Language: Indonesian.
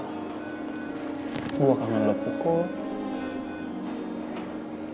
gue kangen lo pukul